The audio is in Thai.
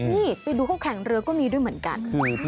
นี่ไปดูเขาแข่งเรือก็มีด้วยเหมือนกัน